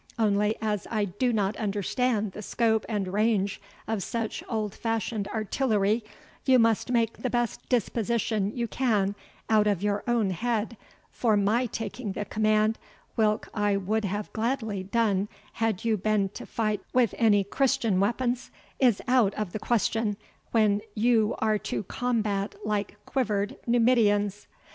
Only, as I do not understand the scope and range of such old fashioned artillery, you must make the best disposition you can out of your own head for MY taking the command, whilk I would have gladly done had you been to fight with any Christian weapons, is out of the question, when you are to combat like quivered Numidians.